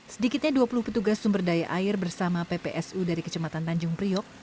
sedikitnya dua puluh petugas sumber daya air bersama ppsu dari kecematan tanjung priok